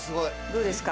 どうですか。